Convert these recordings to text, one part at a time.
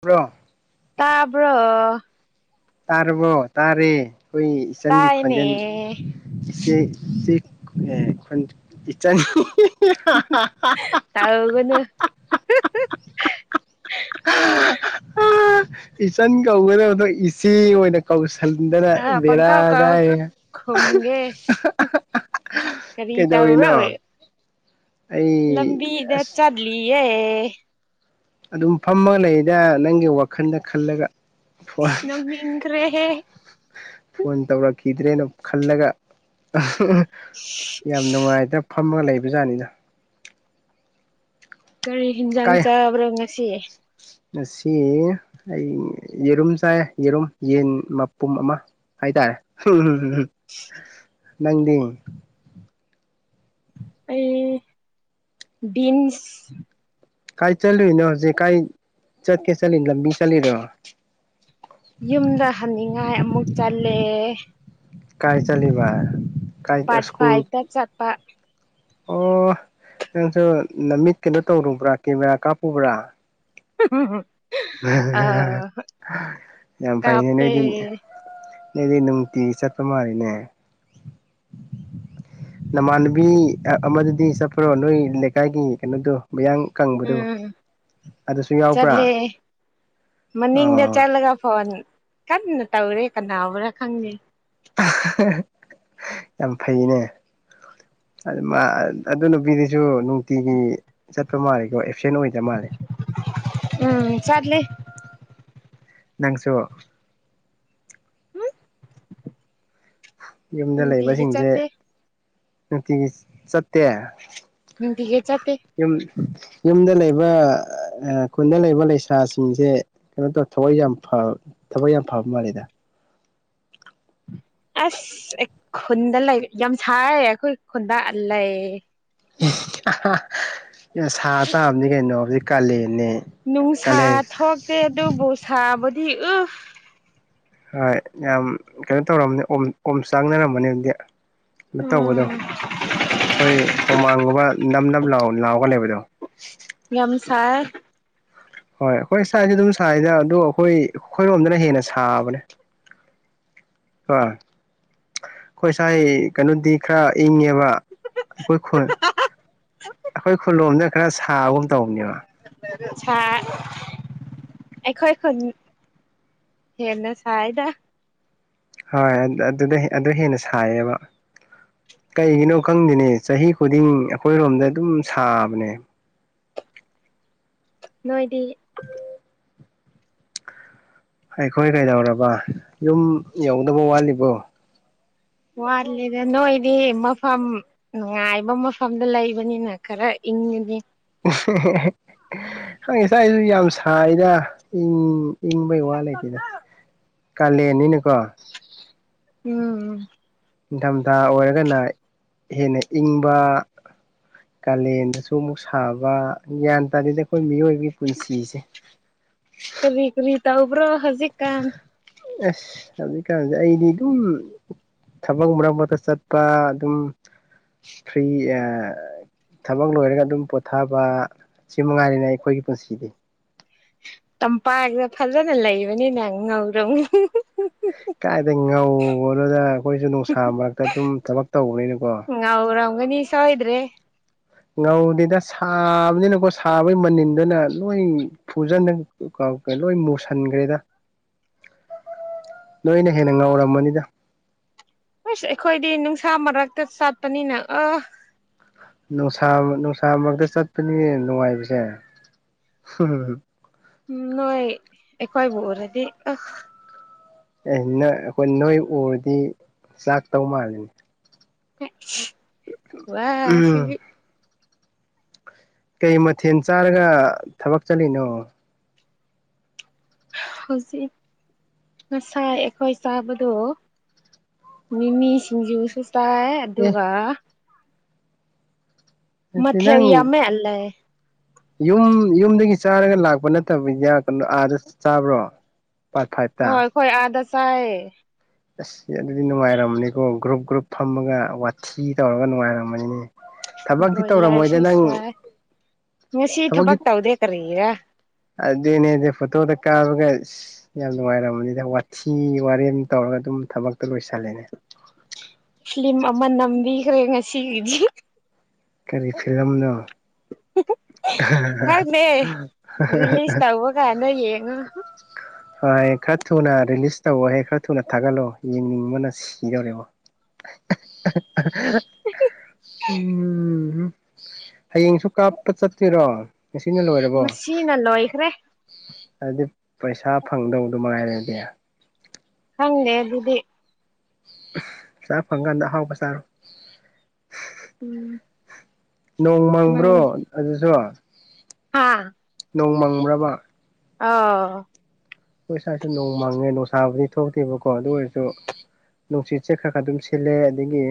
Bro ꯇꯥꯕ꯭ꯔꯣ? ꯇꯥꯔꯕꯣ ꯇꯥꯔꯦ ꯑꯩꯈꯣꯏ ꯏꯆꯟꯒꯤ ꯇꯥꯏꯅꯦ ꯈꯣꯟꯖꯦꯜ ꯏꯆꯦ ꯆꯤꯛ ꯑꯦ ꯈꯣꯟ ꯏꯆꯟ ꯇꯧꯒꯅꯨ ꯏꯆꯟ ꯀꯧꯒꯗꯕꯗ ꯏꯆꯦ ꯑꯣꯏꯅ ꯀꯧꯁꯟꯗꯅ ꯑꯥ ꯕꯦꯔꯥ ꯄꯪꯀꯥꯎ ꯀꯥꯎ ꯒꯥꯏꯍꯦ ꯈꯨꯝꯒꯦ ꯀꯔꯤ ꯇꯧꯔꯣꯏ ꯑꯩ ꯂꯝꯕꯤꯗ ꯑꯁ ꯆꯠꯂꯤꯌꯦ ꯑꯗꯨꯝ ꯐꯝꯃꯒ ꯂꯩꯗ ꯅꯪꯒꯤ ꯋꯥꯈꯜꯗ ꯈꯜꯂꯒ꯫ ꯐꯣꯟ ꯅꯣꯛꯅꯤꯡꯈ꯭ꯔꯦꯍꯦ ꯐꯣꯟ ꯇꯧꯔꯛꯈꯤꯗ꯭ꯔꯦꯅ ꯈꯜꯂꯒ ꯌꯥꯝ ꯅꯨꯡꯉꯥꯏꯗ ꯐꯝꯃꯒ ꯂꯩꯕ ꯖꯥꯠꯅꯤꯗ꯫ ꯀꯔꯤ ꯍꯤꯟꯖꯥꯡ ꯀꯥꯏ ꯆꯥꯕ꯭ꯔꯣ ꯉꯁꯤ? ꯉꯁꯤ ꯑꯩ ꯌꯦꯔꯨꯝ ꯆꯥꯏꯌꯦ ꯌꯦꯔꯨꯝ ꯌꯦꯟ ꯃꯄꯨꯝ ꯑꯃ꯫ ꯍꯥꯏ ꯇꯥꯔꯦ ꯅꯪꯗꯤ? ꯑꯩ ꯕꯤꯟꯁ ꯀꯥꯏ ꯆꯠꯂꯨꯏꯅꯣ ꯍꯧꯖꯤꯛ ꯀꯥꯏ ꯆꯠꯀꯦ ꯆꯠꯂꯤ ꯂꯝꯕꯤ ꯆꯠꯂꯤꯔꯣ ꯌꯨꯝꯗ ꯍꯟꯅꯤꯡꯉꯥꯏ ꯑꯃꯨꯛ ꯆꯜꯂꯦ꯫ ꯀꯥꯏ ꯆꯠꯂꯤꯕ? ꯀꯥꯏ ꯄꯥꯔꯠ ꯁ꯭ꯀꯨꯜ ꯐꯥꯏꯚꯗ ꯆꯠꯄ꯫ ꯑꯣ ꯅꯪꯁꯨ ꯅꯃꯤꯠ ꯀꯩꯅꯣ ꯇꯧꯔꯨꯕ꯭ꯔꯥ ꯀꯦꯃꯦꯔꯥ ꯀꯥꯞꯄꯨꯕ꯭ꯔꯥ? [unintelligible] ꯑ ꯌꯥꯝ ꯐꯩꯅꯦ ꯀꯥꯞꯄꯦ ꯅꯣꯢꯗꯤ ꯅꯪꯗꯤ ꯅꯨꯡꯇꯤ ꯆꯠꯄ ꯃꯥꯜꯂꯤꯅꯦ ꯅꯃꯥꯟꯅꯕꯤ ꯑꯃꯗꯨꯗꯤ ꯆꯠꯄ꯭ꯔꯣ ꯅꯣꯏ ꯂꯩꯀꯥꯏꯒꯤ ꯀꯩꯅꯣꯗꯣ ꯃꯌꯥꯡ ꯀꯪꯕꯗꯨ ꯎꯝ ꯑꯗꯨꯁꯨ ꯌꯥꯎꯕ꯭ꯔꯥ ꯆꯠꯂꯦ ꯃꯅꯤꯡꯗ ꯑꯣ ꯆꯠꯂꯒ ꯐꯣꯟ ꯀꯟꯅ ꯇꯧꯔꯤ ꯀꯅꯥꯕꯨꯔꯥ ꯈꯪꯗꯦ ꯌꯥꯝ ꯐꯩꯅꯦ ꯑꯗꯨ ꯃꯥ ꯑꯗꯨ ꯅꯨꯄꯤꯗꯨꯁꯨ ꯅꯨꯡꯇꯤꯒꯤ ꯆꯠꯄ ꯃꯥꯜꯂꯦꯀꯣ ꯑꯦꯞꯁꯦꯟ ꯑꯣꯏꯗꯕ ꯃꯥꯜꯂꯦ ꯎꯝ ꯆꯠꯂꯦ ꯅꯪꯁꯨ ꯌꯨꯝꯗ ꯅꯨꯡꯇꯤꯒꯤ ꯂꯩꯕꯁꯤꯡꯁꯦ ꯆꯠꯇꯦ ꯅꯨꯡꯇꯤꯒꯤ ꯆꯠꯇꯦ ꯅꯨꯡꯇꯤꯒꯤ ꯆꯠꯇꯦ ꯌꯨꯝ ꯌꯨꯝꯗ ꯂꯩꯕ ꯈꯨꯟꯗ ꯂꯩꯕ ꯂꯩꯁꯥꯁꯤꯡꯁꯦ ꯀꯩꯅꯣ ꯇꯧ ꯊꯕꯛ ꯌꯥꯝ ꯊꯕꯛ ꯌꯥꯝ ꯐꯕ ꯃꯥꯜꯂꯦꯗ ꯑꯁ ꯑꯦ ꯈꯨꯟꯗ ꯂꯩ ꯌꯥꯝ ꯁꯥꯏꯌꯦ ꯑꯩꯈꯣꯏ ꯈꯨꯟꯗ ꯂꯩ ꯁꯥ ꯇꯥꯕꯅꯤ ꯀꯩꯅꯣ ꯍꯧꯖꯤꯛ ꯀꯥꯂꯦꯟꯅꯦ ꯅꯨꯡꯁꯥ ꯀꯥꯂꯦꯟ ꯊꯣꯛꯇꯦ ꯑꯗꯨꯕꯨ ꯁꯥꯕꯨꯗꯤ ꯎꯝ ꯍꯣꯏ ꯌꯥꯝ ꯀꯩꯅꯣ ꯇꯧꯔꯝꯒꯅꯦ ꯑꯣ ꯑꯣꯝ ꯆꯥꯡꯅꯔꯒꯅꯦ ꯑꯗꯨꯗꯤ ꯎꯝ ꯇꯧꯕꯗꯣ ꯑꯩꯈꯣꯏ ꯍꯨꯃꯥꯡꯒꯨꯝꯕ ꯅꯝ ꯅꯝ ꯂꯥꯎ ꯂꯥꯎꯕꯅꯦꯕ ꯗꯨ ꯌꯥꯝ ꯁꯥꯢ ꯍꯣꯏ ꯑꯩꯈꯣꯏ ꯁꯥꯏꯁꯨ ꯑꯗꯨꯝ ꯁꯥꯏꯗ ꯑꯗꯣ ꯑꯩꯈꯣꯏ ꯑꯩꯈꯣꯏꯔꯣꯝꯗꯅ ꯍꯦꯟꯅ ꯁꯥꯕꯅꯦ ꯍꯣꯢ ꯑꯩꯣꯏ ꯁꯥꯏ ꯀꯩꯅꯣꯗꯤ ꯈꯔ ꯏꯪꯉꯦꯕ ꯑꯩꯈꯣꯏ ꯈꯨꯜ ꯑꯩꯈꯣꯏ ꯈꯨꯂꯣꯝꯗ ꯈꯔ ꯁꯥꯕꯒꯨꯝ ꯇꯧꯕꯅꯦꯕ ꯁꯥꯢ ꯑꯩꯈꯣꯏ ꯈꯨꯟ ꯍꯦꯟꯅ ꯁꯥꯏꯗ ꯍꯣꯏ ꯑꯗꯨꯗ ꯑꯗꯨ ꯍꯦꯟꯅ ꯁꯥꯏꯌꯦꯕ ꯀꯩꯒꯤꯅꯣ ꯈꯪꯗꯦꯅꯦ ꯆꯍꯤ ꯈꯨꯗꯤꯡ ꯑꯩꯈꯣꯏꯔꯣꯝꯗ ꯑꯗꯨꯝ ꯁꯥꯕꯅꯦ ꯅꯣꯏꯗꯤ ꯑꯩꯈꯣꯏ ꯀꯩꯗꯧꯔꯕ ꯌꯨꯝ ꯌꯧꯗꯕ ꯋꯥꯠꯂꯤꯕꯣ ꯋꯥꯠꯂꯤꯗ ꯅꯣꯏꯗꯤ ꯃꯐꯝ ꯅꯨꯡꯉꯥꯏꯕ ꯃꯐꯝꯗ ꯂꯩꯕꯅꯤꯅ ꯈꯔ ꯏꯪꯉꯤꯅꯦ ꯑꯩꯈꯣꯢ ꯁꯨꯋꯥꯏꯁꯨ ꯌꯥꯝ ꯁꯥꯏꯗ ꯏꯪꯕꯩ ꯋꯥ ꯂꯩꯇꯦꯗ ꯀꯥꯂꯦꯟꯅꯤꯅꯀꯣ ꯎꯝ ꯅꯤꯡꯊꯝꯊꯥ ꯑꯣꯏꯔꯒꯅ ꯍꯦꯟꯅ ꯏꯪꯕ ꯀꯥꯂꯦꯟꯗꯁꯨ ꯑꯃꯨꯛ ꯁꯥꯕ ꯒ꯭ꯌꯥꯟ ꯇꯥꯗꯦꯗ ꯑꯩꯈꯣꯏ ꯃꯤꯑꯣꯏꯕꯒꯤ ꯄꯨꯟꯁꯤꯁꯦ ꯀꯔꯤ ꯀꯔꯤ ꯇꯧꯕ꯭ꯔꯣ ꯍꯧꯖꯤꯛꯒꯥꯟ ꯑꯩꯁ ꯍꯧꯖꯤꯛꯀꯥꯟꯁꯦ ꯑꯩꯗꯤ ꯑꯗꯨꯝ ꯊꯕꯛ ꯃꯔꯛ ꯃꯔꯛꯇ ꯆꯠꯄ ꯑꯗꯨꯝ ꯐ꯭ꯔꯤ ꯊꯕꯛ ꯂꯣꯏꯔꯒ ꯑꯗꯨꯝ ꯄꯣꯊꯥꯕ ꯁꯤ ꯃꯉꯥꯏꯔꯦꯅꯦ ꯑꯩꯈꯣꯏꯒꯤ ꯄꯨꯟꯁꯤꯗꯤ ꯇꯝꯄꯥꯛꯗ ꯐꯖꯅ ꯂꯩꯕꯅꯤꯅ ꯉꯧꯔꯥ ꯀꯥꯏꯗꯩ ꯉꯧꯕꯅꯣꯗ ꯑꯩꯈꯣꯏꯁꯨ ꯅꯨꯡꯁꯥ ꯃꯔꯛꯇ ꯑꯗꯨꯝ ꯊꯕꯛ ꯇꯧꯕꯅꯤꯅꯀꯣ ꯉꯧꯔꯝꯒꯅꯤ ꯁꯣꯢꯗꯔꯦ ꯉꯧꯗꯦꯗ ꯁꯥꯕꯅꯤꯅꯀꯣ ꯁꯥꯕꯩ ꯃꯅꯤꯟꯗꯨꯅ ꯅꯣꯏ ꯐꯨꯖꯟꯅ ꯂꯣꯏ ꯃꯨꯁꯤꯟꯈ꯭ꯔꯦꯗ [unintelligible] ꯅꯣꯏꯅ ꯍꯦꯟꯅ ꯉꯥꯎꯔꯝꯃꯅꯤꯗ ꯑꯁ ꯑꯩꯈꯣꯏꯗꯤ ꯅꯨꯡꯁꯥ ꯃꯔꯛꯇ ꯆꯠꯄꯅꯤꯅ ꯑꯥ ꯅꯨꯡꯁꯥ ꯅꯨꯡꯁꯥ ꯃꯔꯛꯇ ꯆꯠꯄꯅꯤꯅꯦ ꯅꯨꯡꯉꯥꯏꯔꯤꯁꯦ ꯍꯨꯝ ꯅꯣꯏ ꯑꯩꯈꯣꯏꯕꯨ ꯎꯔꯗꯤ ꯑ ꯑꯦ ꯅ ꯑꯩꯈꯣꯏ ꯅꯣꯏ ꯎꯔꯗꯤ ꯆꯥꯛꯇꯧ ꯃꯥꯜꯂꯤ ꯎꯝ ꯋꯥꯁꯤꯕꯤ ꯀꯩ ꯃꯊꯦꯜ ꯆꯥꯔꯒ ꯊꯕꯛ ꯆꯠꯂꯤꯅꯣ ꯍꯧꯖꯤꯛ ꯉꯁꯥꯏ ꯑꯩꯈꯣꯏ ꯆꯥꯕꯗꯣ ꯃꯤꯃꯤ ꯁꯤꯡꯖꯨꯁꯨ ꯆꯥꯏ ꯑꯦ ꯑꯗꯨꯒ ꯅꯠꯇ ꯃꯊꯦꯜ ꯅꯪ ꯌꯥꯝꯃꯦ ꯂꯩ ꯌꯨꯝ ꯌꯨꯝꯗꯒꯤ ꯆꯥꯔꯒ ꯂꯥꯛꯄ ꯅꯠꯇꯕꯗ ꯀꯩꯅꯣ ꯑꯥꯗ ꯆꯥꯕ꯭ꯔꯣ ꯄꯔ ꯐꯥꯏꯇ ꯍꯣꯏ ꯑꯥꯗ ꯆꯥꯏ ꯑꯁ ꯑꯗꯨꯗꯤ ꯅꯨꯡꯉꯥꯏꯔꯝꯃꯅꯤꯀꯣ ꯒ꯭ꯔꯨꯞ ꯒ꯭ꯔꯨꯞ ꯐꯝꯃꯒ ꯋꯥꯊꯤ ꯇꯧꯔꯒ ꯅꯨꯡꯉꯥꯏꯔꯃꯅꯤꯅꯦ ꯕ꯭ꯔꯣꯏꯂꯔ ꯁꯨ ꯆꯥꯏ ꯉꯁꯤ ꯊꯕꯛ ꯇꯧꯗꯦ ꯀꯔꯤꯒꯤꯔ ꯑꯗꯨꯗꯦꯅꯦꯗꯦ ꯐꯇꯣꯗ ꯀꯕꯒ ꯌꯥꯝ ꯅꯨꯡꯉꯥꯏꯔꯃꯅꯤꯗ ꯋꯥꯊꯤ ꯋꯥꯔꯦꯝ ꯇꯧꯔꯒ ꯑꯗꯨꯝ ꯊꯕꯛꯇ ꯂꯣꯏꯁꯜꯂꯦ ꯐꯤꯂꯤꯝ ꯑꯃ ꯅꯝꯕꯤꯈ꯭ꯔꯦ ꯉꯁꯤꯒꯤꯗꯤ ꯀꯔꯤ ꯐꯤꯂꯝꯅꯣ [unintelligible] ꯈꯪꯗꯦ ꯔꯤꯂꯤꯁ ꯇꯧꯕ ꯀꯥꯟꯗ ꯌꯦꯡꯉꯣ ꯍꯣꯏ ꯈꯔ ꯊꯨꯅ ꯔꯤꯂꯤꯁ ꯇꯧꯋꯣꯌꯦ ꯈꯔ ꯊꯨꯅ ꯊꯥꯒꯠꯂꯣ ꯌꯦꯡꯅꯤꯡꯕꯅ ꯁꯤ ꯏꯖꯅꯦꯕꯣ ꯎꯝ ꯎꯝꯝ ꯍꯌꯦꯡꯁꯨ ꯀꯥꯞꯄ ꯆꯠꯇꯔꯣ ꯉꯁꯤꯅ ꯂꯣꯏꯔꯕꯣ ꯍꯜ ꯂꯣꯢ ꯈꯔꯦ ꯍꯥꯏꯗꯤ ꯄꯩꯁꯥ ꯐꯪꯗꯧꯗꯨꯉꯥꯏꯔꯦꯗꯤ ꯈꯪꯗꯦ ꯑꯗꯨꯗꯤ ꯆꯥꯛ ꯐꯪꯀꯥꯟꯗ ꯑꯍꯥꯎꯕ ꯆꯥꯔꯣ ꯎꯝ ꯅꯣꯡ ꯃꯪꯕ꯭ꯔꯣ ꯑꯗꯨꯁꯨ ꯑꯥ ꯅꯣꯡꯃꯪꯕꯔ ꯕ ꯑꯥ ꯑꯩꯈꯣꯏ ꯁꯥꯏꯁꯨ ꯅꯣꯡ ꯃꯪꯉꯦ ꯅꯨꯡꯁꯥꯕꯨꯗꯤ ꯊꯣꯛꯇꯦꯕꯀꯣ ꯑꯗꯨ ꯑꯣꯏꯔꯁꯨ ꯅꯨꯡꯁꯤꯠ ꯆꯦ ꯈꯔ ꯈꯔ ꯑꯗꯨꯝ ꯁꯤꯜꯂꯦ ꯑꯗꯒꯤ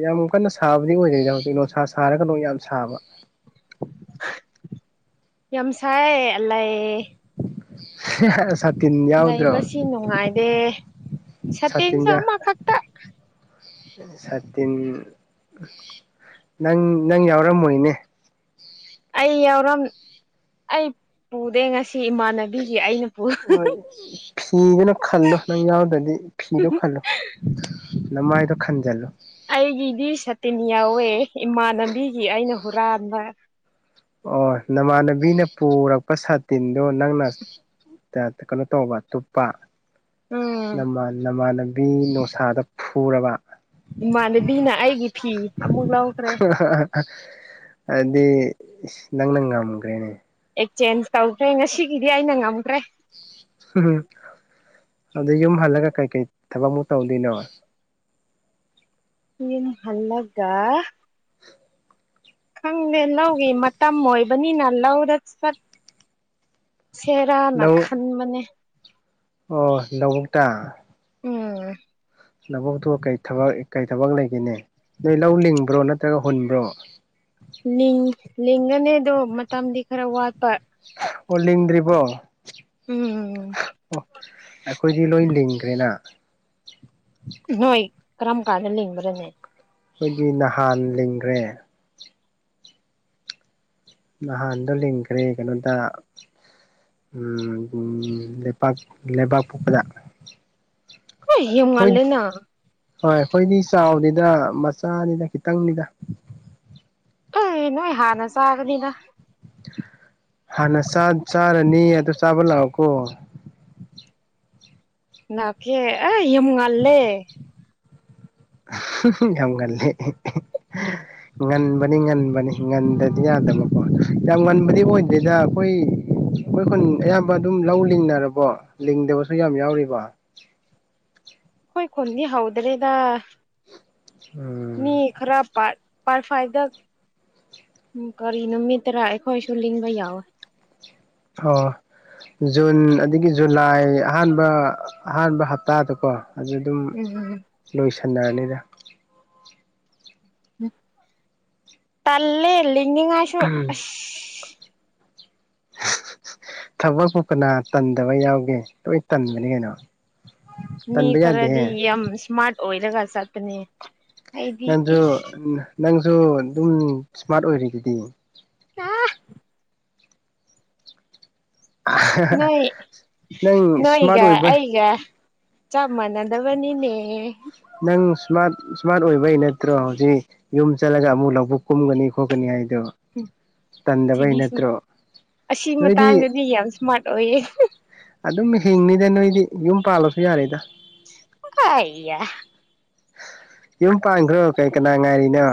ꯌꯥꯝ ꯀꯟꯅ ꯁꯥꯕꯗꯤ ꯑꯣꯏꯗꯔꯤꯗ ꯍꯧꯖꯤꯛ ꯅꯣꯟꯁꯥ ꯁꯥꯔꯒ ꯂ ꯌꯥꯝ ꯁꯥꯕ ꯌꯥꯝ ꯁꯥꯏ ꯑꯂꯩ ꯁꯥꯠ ꯂꯩꯕꯁꯤ ꯅꯨꯡꯉꯥꯏꯗꯦ ꯁꯇꯤꯟꯁꯨ ꯁꯥꯇꯤꯟ ꯑꯃꯈꯛꯇ ꯁꯥꯇꯤꯟ ꯅꯪ ꯅꯪ ꯌꯥꯎꯔꯝꯃꯣꯏꯅꯦ ꯑꯩ ꯌꯥꯎꯔꯝ ꯑꯩ ꯄꯨꯗꯦ ꯉꯁꯤ ꯏꯃꯥꯟꯅꯕꯤꯒꯤ ꯑꯩꯅ ꯄꯨ ꯍꯣꯏ ꯐꯤꯗꯨꯅ ꯈꯜꯂꯣ ꯅꯪ ꯌꯥꯎꯗ꯭ꯔꯗꯤ ꯐꯤꯗꯣ ꯈꯜꯂꯣ ꯅꯃꯥꯏꯗꯨ ꯈꯟꯖꯜꯂꯨ ꯑꯩꯒꯤꯗꯤ ꯁꯥꯇꯤꯟ ꯌꯥꯎꯋꯦ ꯏꯃꯥꯟꯅꯕꯤꯒꯤ ꯑꯩꯅ ꯍꯨꯔꯥꯟꯕ ꯑꯣ ꯅꯃꯥꯟꯅꯕꯤꯅ ꯄꯨꯔꯛꯄ ꯁꯥꯇꯤꯟꯗꯣ ꯅꯪꯅ ꯀꯩꯅꯣ ꯇꯧꯕ ꯇꯨꯞꯄ ꯎꯝ ꯅꯃꯥꯟꯅꯕꯤ ꯅꯨꯡꯁꯥꯗ ꯐꯨꯔꯕ ꯏꯃꯥꯅꯕꯤꯅ ꯑꯩꯒꯤ ꯐꯤ ꯑꯃꯨꯛ ꯂꯧꯈ꯭ꯔꯦ ꯑꯗꯨꯗꯤ ꯅꯪꯅ ꯉꯝꯈ꯭ꯔꯦꯅꯦ ꯑꯦꯛ ꯆꯦꯟꯖ ꯇꯧꯗ꯭ꯔꯦ ꯉꯁꯤꯒꯤꯗꯤ ꯑꯩꯅ ꯉꯝꯈ꯭ꯔꯦ ꯎꯝ ꯑꯗꯨ ꯌꯨꯝ ꯍꯜꯂꯒ ꯀꯩꯀꯩ ꯊꯕꯛꯃꯨꯛ ꯇꯧꯗꯣꯏꯅꯣ ꯌꯨꯝ ꯍꯥꯜꯂꯒ ꯈꯪꯗꯦ ꯂꯧꯒꯤ ꯃꯇꯝ ꯑꯣꯏꯕꯅꯤꯅ ꯂꯧꯗ ꯆꯠ ꯁꯦꯔꯥꯟꯅꯥ ꯂꯧ ꯈꯥꯟꯕꯅꯦ ꯑꯣ ꯂꯧꯕꯣꯛꯇ ꯎꯝ ꯂꯧꯕꯛꯇꯨ ꯀꯩ ꯊꯕꯛ ꯀꯩ ꯊꯕꯛ ꯂꯩꯒꯦꯅꯦ ꯅꯣꯏ ꯂꯧ ꯂꯤꯡꯕ꯭ꯔꯣ ꯅꯠꯇ꯭ꯔꯒ ꯍꯨꯟꯕ꯭ꯔꯣ ꯂꯤꯡꯒꯅꯤꯗꯣ ꯃꯇꯝꯗꯤ ꯈꯔ ꯋꯥꯠꯄ ꯑꯣ ꯂꯤꯡꯗ꯭ꯔꯤꯕꯣ ꯑꯣ ꯎꯝ ꯑꯩꯈꯣꯏꯗꯤ ꯂꯣꯏ ꯂꯤꯡꯈ꯭ꯔꯦꯅ ꯅꯣꯏ ꯀꯔꯝ ꯀꯥꯟꯗ ꯂꯤꯡꯕ꯭ꯔꯅꯦ ꯑꯩꯈꯣꯏꯒꯤ ꯅꯍꯥꯟ ꯂꯤꯡꯈ꯭ꯔꯦ ꯅꯍꯥꯟꯗꯣ ꯂꯤꯡꯈ꯭ꯔꯦ ꯀꯩꯅꯣꯗ ꯑꯝ ꯂꯩꯕꯥꯛ ꯂꯩꯕꯥꯛ ꯄꯣꯛꯄꯗ ꯑꯦ ꯌꯥꯝ ꯍꯣꯏ ꯉꯜꯂꯦꯅ ꯍꯣꯏ ꯑꯩꯈꯣꯏꯗꯤ ꯆꯥꯎꯗꯦꯗ ꯃꯆꯥꯅꯤꯗ ꯈꯤꯇꯪꯅꯤꯗ ꯑꯩ ꯅꯣꯏ ꯍꯥꯟꯅ ꯆꯥꯒꯅꯤꯗ ꯍꯥꯟꯅ ꯆꯥꯔꯅꯤ ꯑꯗꯨ ꯆꯥꯕ ꯂꯥꯛꯎꯨ ꯀꯣ ꯉꯥꯛꯑꯦ ꯌꯥꯝ ꯉꯜꯂꯦ ꯌꯥꯝ ꯉꯜꯂꯦ ꯉꯟꯕꯅꯤ ꯉꯟꯕꯅꯤ ꯉꯟꯗꯗꯤ ꯌꯥꯗꯕꯀꯣ ꯌꯥꯝ ꯉꯟꯕꯗꯤ ꯑꯣꯏꯗꯦꯗ ꯑꯩꯈꯣꯏ ꯑꯩꯈꯣꯏ ꯈꯨꯟ ꯑꯌꯥꯝꯕ ꯑꯗꯨꯝ ꯂꯧ ꯂꯤꯡꯅꯔꯕꯣ ꯂꯤꯡꯗꯕꯁꯨ ꯌꯥꯝ ꯌꯥꯎꯔꯤꯕꯣ ꯑꯩꯈꯣꯏ ꯈꯨꯟꯗꯤ ꯍꯧꯗ꯭ꯔꯤꯗ ꯃꯤ ꯎꯝ ꯈꯔ ꯄꯥꯛ ꯄꯥꯔꯠ ꯐꯥꯏꯚꯗ ꯎ ꯀꯔꯤ ꯅꯨꯃꯤꯠꯇꯔꯥ ꯑꯩꯈꯣꯏꯁꯨ ꯂꯤꯡꯕ ꯌꯥꯎꯋꯦ ꯑꯣ ꯖꯨꯟ ꯑꯗꯒꯤ ꯖꯨꯂꯥꯏ ꯑꯍꯥꯟꯕ ꯑꯍꯥꯟꯕ ꯍꯞꯇꯥꯗꯀꯣ ꯖꯨꯟ ꯑꯗꯨꯝ ꯎꯝ ꯂꯣꯏꯁꯟꯅꯔꯅꯤꯗ ꯇꯜꯂꯦ ꯂꯤꯡꯅꯤꯉꯥꯢꯁꯨ ꯊꯕꯛ ꯄꯨ ꯀꯅꯥ ꯇꯟꯗꯕ ꯌꯥꯎꯒꯦ ꯂꯣꯏ ꯇꯟꯕꯅꯤ ꯀꯩꯅꯣ ꯃꯤ ꯇꯟꯕ ꯈꯔꯗꯤ ꯌꯥꯗꯦꯍꯦ ꯌꯥꯝ ꯏꯁꯃꯥꯔꯠ ꯑꯣꯏꯔꯒ ꯆꯠꯄꯅꯦ ꯑꯩꯗꯤ ꯅꯪꯁꯨ ꯏꯁ ꯅꯪꯁꯨ ꯑꯗꯨꯝ ꯏꯁꯃꯥꯔꯠ ꯑꯣꯏꯔꯤꯗꯨꯗꯤ ꯑ [unintelligible] ꯅꯣꯏ ꯅꯪ ꯏꯁꯃꯥꯔꯠ ꯅꯣꯏꯒ ꯑꯣꯏꯕ ꯑꯩꯒ ꯆꯞ ꯃꯥꯟꯅꯗꯕꯅꯤꯅꯦ ꯅꯪ ꯏꯁꯃꯥꯔꯠ ꯏꯁꯃꯥꯔꯠ ꯑꯣꯏꯕꯩ ꯅꯠꯇ꯭ꯔꯣ ꯍꯧꯖꯤꯛ ꯌꯨꯝ ꯆꯠꯂꯒ ꯑꯃꯨꯛ ꯂꯧꯕꯨꯛ ꯀꯨꯝꯒꯅꯤ ꯈꯣꯠꯀꯅꯤ ꯍꯥꯏꯗꯣ ꯇꯟꯗꯕꯩ ꯁꯤꯗꯤ ꯁꯨꯝ ꯅꯠꯇ꯭ꯔꯣ ꯑꯁꯤ ꯅꯣꯏꯗꯤ ꯃꯇꯥꯡꯗꯗꯤ ꯌꯥꯝ ꯏꯁ꯭ꯃꯥꯔꯠ ꯑꯣꯏꯌꯦ ꯑꯗꯨꯝ ꯍꯤꯡꯅꯤꯗ ꯅꯣꯏꯗꯤ ꯌꯨꯝ ꯄꯥꯜꯂꯁꯨ ꯌꯥꯔꯦꯗ ꯑꯩꯌꯥ ꯌꯨꯝ ꯄꯥꯟꯈ꯭ꯔꯣ ꯀꯩ ꯀꯅꯥ ꯉꯥꯏꯔꯤꯅꯣ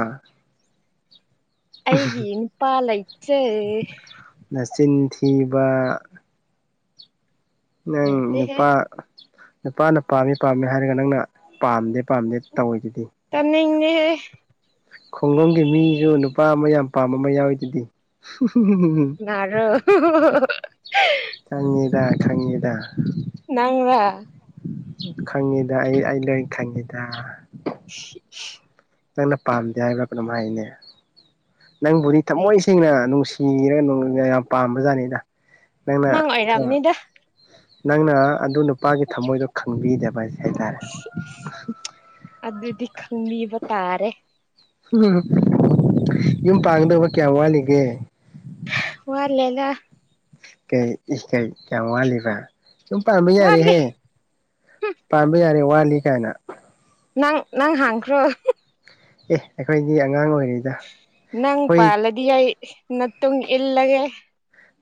ꯑꯩꯒꯤ ꯅꯨꯄꯥ ꯂꯩꯇ꯭ꯔꯦ ꯅꯆꯤꯟ ꯊꯤꯕ ꯅꯪ ꯂꯩꯇꯦꯍꯦ ꯅꯨꯄꯥ ꯅꯨꯄꯥꯅ ꯄꯥꯝꯃꯦ ꯄꯥꯝꯃꯦ ꯍꯥꯏꯔꯒ ꯅꯪꯅ ꯄꯥꯝꯗꯦ ꯄꯥꯝꯗꯦ ꯇꯧꯔꯤꯗꯨꯗꯤ ꯇꯥꯅꯤꯡꯗꯦꯍꯦ ꯈꯨꯡꯒꯪꯒꯤ ꯃꯤꯁꯨ ꯅꯨꯄꯥ ꯑꯃ ꯌꯥꯝ ꯄꯥꯝꯕ ꯑꯃ ꯌꯥꯎꯔꯤꯗꯨꯗꯤ ꯀꯅꯥꯔꯣ ꯈꯪꯉꯤꯗ ꯈꯪꯉꯤꯗ ꯅꯪꯔꯥ ꯈꯪꯉꯤꯗ ꯑꯩ ꯑꯩ ꯂꯣꯏ ꯈꯪꯉꯤꯗ [inaudible] ꯅꯪꯅ ꯄꯥꯝꯗꯦ ꯍꯥꯏꯕ ꯀꯔꯥꯝ ꯍꯥꯏꯅꯤ ꯅꯪꯕꯨꯗꯤ ꯊꯃꯣꯏ ꯁꯦꯡꯅ ꯅꯨꯡꯁꯤꯔꯒ ꯌꯥꯝ ꯄꯥꯝꯕ ꯖꯥꯠꯅꯤꯗ ꯅꯪꯅ ꯅꯪ ꯊꯣꯡ ꯑꯣꯏꯔꯝꯅꯤꯗ ꯅꯪꯅ ꯑꯗꯨ ꯅꯨꯄꯥꯒꯤ ꯊꯝꯃꯣꯏꯗꯣ ꯈꯪꯕꯤꯗꯕ ꯍꯥꯏꯁꯦ ꯍꯥꯏꯇꯥꯔꯦ ꯑꯗꯨꯗꯤ ꯈꯪꯕꯤꯕ ꯇꯥꯔꯦ ꯌꯨꯝ ꯄꯥꯡꯒꯗꯕ ꯀꯌꯥꯝ ꯋꯥꯠꯂꯤꯒꯦ ꯋꯥꯠꯂꯤꯗ ꯀꯩ ꯀꯩ ꯌꯥꯝ ꯋꯥꯠꯂꯤꯕ ꯌꯨꯝ ꯄꯥꯟꯕꯤꯕ ꯋꯥꯠꯂꯤ ꯌꯥꯔꯦꯍꯦ ꯄꯥꯟꯕ ꯌꯥꯔꯦ ꯋꯥꯠꯂꯤ ꯀꯥꯏꯅ ꯅꯪ ꯅꯪ ꯍꯥꯟꯈ꯭ꯔꯣ ꯑꯦ ꯑꯩꯈꯣꯏꯗꯤ ꯑꯉꯥꯡ ꯑꯣꯏꯔꯤ ꯅꯪ ꯄꯥꯜꯂꯗꯤ ꯅꯇꯨꯡ ꯏꯜꯂꯒꯦ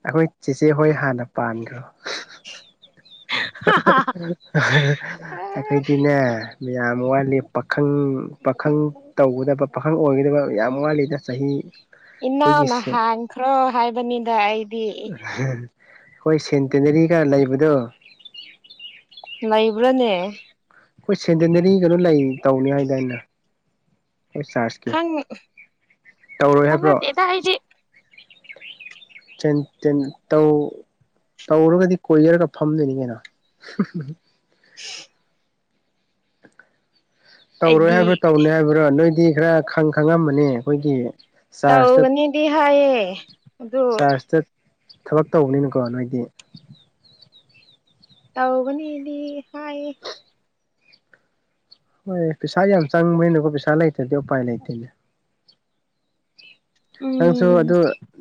ꯑꯩꯈꯣꯏ ꯆꯦꯆꯦ ꯍꯣꯏ ꯍꯥꯟꯅ ꯄꯥꯟꯈ꯭ꯔꯣ ꯑꯩꯈꯣꯏꯗꯤꯅꯦ ꯌꯥꯝ ꯋꯥꯠꯂꯤ ꯄꯥꯈꯪ ꯄꯥꯈꯪ ꯇꯧꯒꯗꯕ ꯄꯥꯈꯪ ꯑꯣꯏꯒꯗꯕ ꯌꯥꯝ ꯋꯥꯠꯂꯤꯗ ꯆꯍꯤ ꯑꯩꯈꯣꯏꯒꯤ ꯏꯅꯥꯎꯅ ꯍꯥꯟꯈ꯭ꯔꯣ ꯍꯥꯏꯕꯅꯤꯗ ꯑꯩ ꯍꯣꯏ ꯁꯦꯟꯇꯦꯅꯔꯤꯒ ꯂꯩꯕꯗꯣ ꯂꯩꯕ꯭ꯔꯣꯅꯦ ꯑꯩꯈꯣꯏ ꯁꯦꯟꯇꯦꯅꯔꯤ ꯀꯩꯅꯣ ꯂꯩ ꯇꯧꯅꯤ ꯍꯥꯏꯗꯥꯢꯅꯦ ꯆꯥꯔ ꯈꯪ ꯍꯥꯏꯕ꯭ꯔꯣ ꯊꯖꯗꯦꯗ ꯑꯩꯗꯤ ꯇꯧ ꯇꯧꯔꯒꯗꯤ ꯀꯣꯏꯔꯒ ꯐꯝꯗꯣꯏꯅꯤ ꯀꯩꯅꯣ ꯍ [inaudible] ꯇꯧꯔꯣꯏ ꯑꯩꯗꯤ ꯍꯥꯏꯕ꯭ꯔꯣ ꯇꯧꯅꯤ ꯍꯥꯏꯕ꯭ꯔꯣ ꯅꯣꯏꯗꯤ ꯈꯔ ꯈꯪ ꯈꯪꯉꯃꯅꯤ ꯑꯩꯈꯣꯏꯒꯤ ꯆꯥꯔꯖꯇ ꯇꯧꯒꯅꯤꯗꯤ ꯍꯥꯏꯌꯦ ꯑꯗꯨ ꯆꯠ ꯊꯕꯛ ꯇꯧꯕꯅꯤꯅꯀꯣ ꯅꯣꯏꯗꯤ ꯇꯧꯒꯅꯤꯗꯤ ꯍꯥꯏꯌꯦ ꯍꯣꯏ ꯄꯩꯁꯥ ꯌꯥꯝ ꯆꯪꯕꯅꯤꯅꯀꯣ ꯄꯩꯁꯥ ꯂꯩꯇ꯭ꯔꯗꯤ ꯎꯄꯥꯏ ꯂꯩꯇꯦ ꯍ [unintelligible] ꯁꯨ ꯎꯝ ꯑꯗꯨ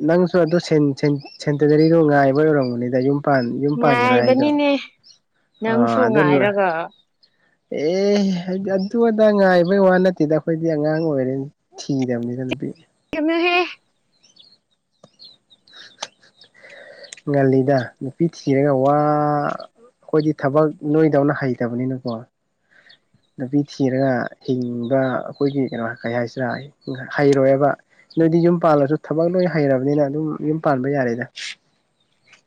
ꯅꯪꯁꯨ ꯑꯗꯨ ꯁꯦꯟ ꯁꯦꯟ ꯁꯦꯟꯇꯗꯔꯤꯗꯣ ꯉꯥꯏꯕ ꯑꯣꯏꯔꯝꯒꯅꯤꯗ ꯌꯨꯝ ꯌꯨꯝ ꯄꯥꯟꯈꯤꯔꯣꯢ ꯍꯥꯏꯗꯣ ꯉꯥꯏꯕꯅꯤꯅꯦ ꯑꯥ ꯅꯪꯁꯨ ꯑꯗꯨꯅ ꯉꯥꯏꯔꯒ ꯑꯦ ꯍꯥꯏꯗꯤ ꯑꯗꯨ ꯑꯗꯥ ꯉꯥꯏꯕꯩ ꯋꯥ ꯅꯠꯇꯦꯗ ꯑꯩꯈꯣꯏꯗꯤ ꯑꯉꯥꯡ ꯑꯣꯏꯔꯤ ꯊꯤꯗꯝꯅꯤꯗ ꯅꯨꯄꯤ ꯀꯩꯝꯅꯍꯦ ꯉꯜꯂꯤꯗ ꯅꯨꯄꯤ ꯊꯤꯔꯒ ꯋꯥ ꯑꯩꯈꯣꯏꯗꯤ ꯊꯕꯛ ꯅꯣꯏꯗꯧꯅ ꯍꯩꯇꯕꯅꯤꯅꯀꯣ ꯅꯨꯄꯤ ꯊꯤꯔꯒ ꯍꯤꯡꯕ ꯑꯩꯈꯣꯏꯒꯤ ꯀꯩꯅꯣ ꯀꯩ ꯍꯥꯏꯁꯤꯔ ꯍꯩꯔꯣꯏꯕ ꯅꯣꯏꯗꯤ ꯌꯨꯝ ꯄꯥꯜꯂꯁꯨ ꯊꯕꯛ ꯂꯣꯏ ꯍꯩꯔꯕꯅꯤꯅ ꯑꯗꯨꯝ ꯌꯨꯝ ꯄꯥꯟꯕ ꯌꯥꯔꯦꯗ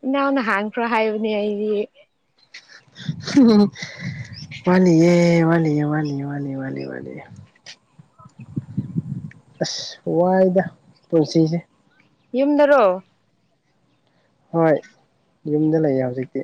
ꯏꯅꯥꯎꯅ ꯍꯥꯟꯈ꯭ꯔꯣ ꯍꯥꯏꯕꯅꯦ ꯑꯩꯗꯤ ꯋꯥꯠꯂꯤꯌꯦ ꯋꯥꯠꯂꯤꯌꯦ ꯋꯥꯠꯂꯤ ꯋꯥꯠꯂꯤ ꯃꯥꯅꯤ ꯃꯥꯅꯤ ꯑꯁ ꯋꯥꯏꯗ ꯄꯨꯟꯁꯤꯁꯦ ꯌꯨꯝꯗꯔꯣ ꯍꯣꯏ ꯌꯨꯝꯗ ꯂꯩꯌꯦ ꯍꯧꯖꯤꯛꯇꯤ